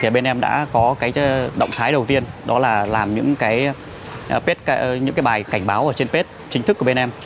bên em đã có cái động thái đầu tiên đó là làm những bài cảnh báo ở trên page chính thức của bên em